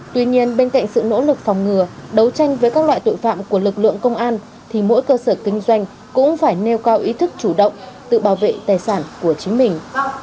tuy nhiên bên cạnh sự nỗ lực phòng ngừa đấu tranh với các loại tội phạm của lực lượng công an thì mỗi cơ sở kinh doanh cũng phải nêu cao ý thức chủ động tự bảo vệ tài sản của chính mình